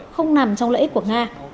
không nằm trong lợi ích của nga